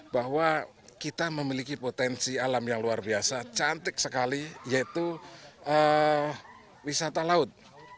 bahwa kita memiliki potensi alam yang luar biasa cantik sekali yaitu wisata laut